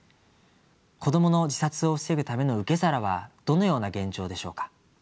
子どもの自殺を防ぐための受け皿はどのような現状でしょうか。